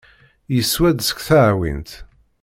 Yeswa-d seg teɛwint.